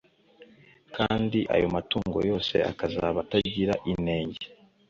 kandi ayo matungo yose akazaba atagira inenge.